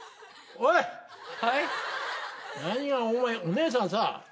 お姉さんさ